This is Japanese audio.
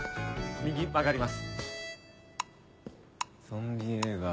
右に曲がります。